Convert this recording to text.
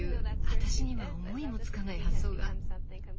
私には思いもつかない発想が。